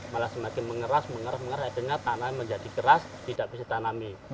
malah semakin mengeras mengeras mengeras dengan tanah menjadi keras tidak bisa ditanami